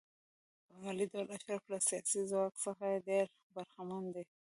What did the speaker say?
په عملي ډول اشراف له سیاسي ځواک څخه ډېر برخمن دي.